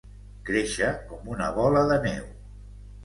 Créixer com una bola de neu.